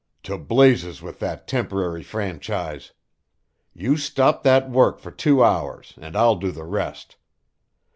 To blazes with that temporary franchise! You stop that work for two hours, and I'll do the rest.